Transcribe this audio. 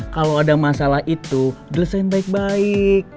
kalau ada masalah itu jelesain baik baik